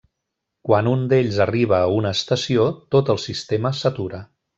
Quan un d'ells arriba a una estació, tot el sistema s'atura.